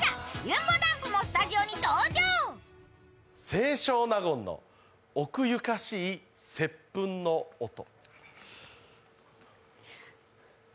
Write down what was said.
清少納言の奥ゆかしいせっぷんの音。